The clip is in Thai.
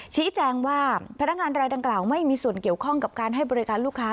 ชี้แจงว่าพนักงานรายดังกล่าวไม่มีส่วนเกี่ยวข้องกับการให้บริการลูกค้า